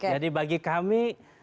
jadi bagi kami